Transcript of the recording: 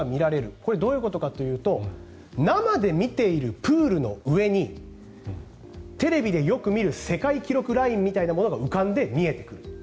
これ、どういうことかというと生で見ているプールの上にテレビでよく見る世界記録ラインみたいなものが浮かんで見えてくる。